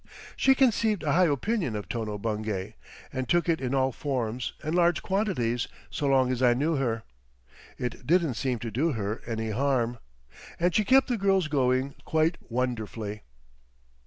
She conceived a high opinion of Tono Bungay and took it in all forms and large quantities so long as I knew her. It didn't seem to do her any harm. And she kept the girls going quite wonderfully.